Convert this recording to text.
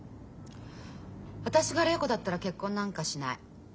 私が礼子だったら結婚なんかしない。